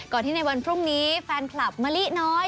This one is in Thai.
ที่ในวันพรุ่งนี้แฟนคลับมะลิน้อย